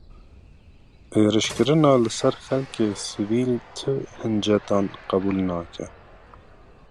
Êrişkirina li ser xelkê sivîl ti hincetan qebûl nake.